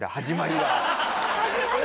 始まりは。